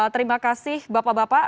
terima kasih bapak bapak